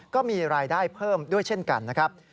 ก็มีรายได้เพิ่มด้วยเช่นกันนะครับ